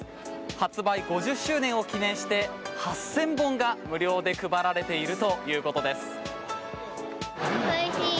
発売５０周年を記念して８０００本が無料で配られているということです。